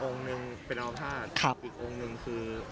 อ๋อองค์นึงเป็นอำภาษณ์อีกองค์นึงคือ